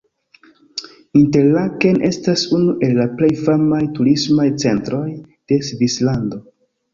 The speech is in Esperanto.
Interlaken estas unu el la plej famaj turismaj centroj de Svislando.